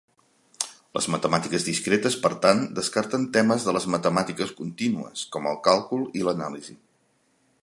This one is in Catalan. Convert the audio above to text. Les matemàtiques discretes, per tant, descarten temes de les "matemàtiques contínues" com el càlcul i l'anàlisi.